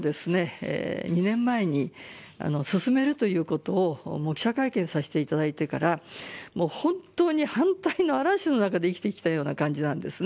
ＩＲを２年前に進めるということを記者会見させていただいてから本当に反対の嵐の中で生きてきたような感じなんですね。